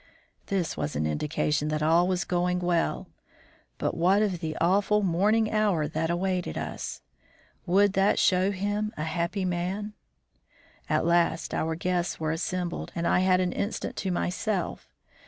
This was an indication that all was going well. But what of the awful morning hour that awaited us! Would that show him a happy man? At last our guests were assembled, and I had an instant to myself.